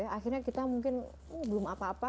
akhirnya kita mungkin belum apa apa